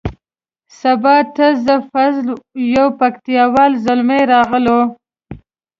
سبا ته زه فضل یو پکتیا وال زلمی راغلو.